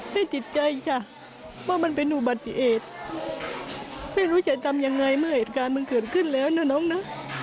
ไม่ติดใจจ้ะว่ามันเป็นอุบัติเหตุไม่รู้จะทำยังไงเมื่อเหตุการณ์มันเกิดขึ้นแล้วนะน้องนะ